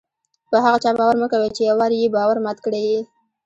په هغه چا باور مه کوئ! چي یو وار ئې باور مات کړى يي.